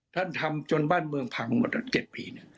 ท่านทำจนบ้านเมืองพังหมด๗ปี